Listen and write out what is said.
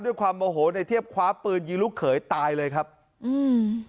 ด้วยความโมโหในเทียบคว้าปืนยิงลูกเขยตายเลยครับอืม